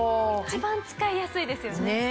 一番使いやすいですよね。